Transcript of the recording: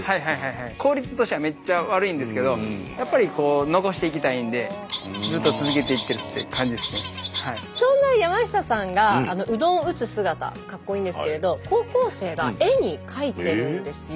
効率としてはめっちゃ悪いんですけどやっぱりそんな山下さんがうどんを打つ姿かっこいいんですけれど高校生が絵に描いてるんですよ。